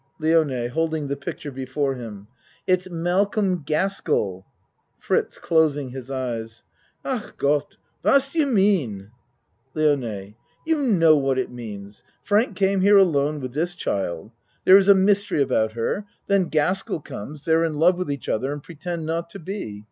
LIONE (Holding the picture before him.) It's Malcolm Gaskell! FRITZ (Closing his eyes.) Ach Gott! What do you mean? LIONE You know what it means. Frank came here alone with this child. There is a mystery about her then Gaskell comes they're in love with each other and pretend not to be.